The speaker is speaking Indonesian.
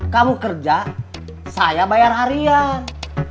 kamu kerja saya bayar harian